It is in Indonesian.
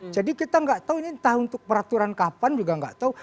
jadi kita enggak tahu ini entah untuk peraturan kapan juga enggak tahu